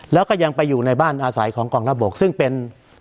แล้วก็ยังไปอยู่ในบ้านอาศัยของกองทัพบกซึ่งเป็น